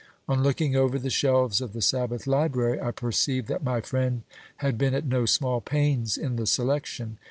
On looking over the shelves of the Sabbath library, I perceived that my friend had been at no small pains in the selection.